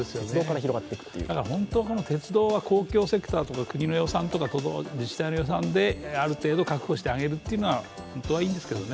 本当に鉄道は公共セクターとか国、自治体の予算である程度確保してあげるのが本当はいいんですけどね。